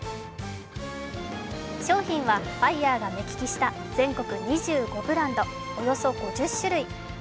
商品はバイヤーが目利きした全国２５ブランド、およそ５０種類。